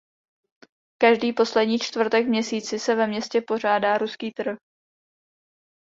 Každý poslední čtvrtek v měsíci se ve městě pořádá ""ruský trh"".